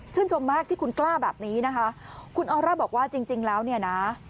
ชมมากที่คุณกล้าแบบนี้นะคะคุณออร่าบอกว่าจริงจริงแล้วเนี่ยนะ